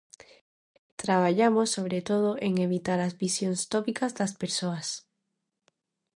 Traballamos sobre todo en evitar as visións tópicas das persoas.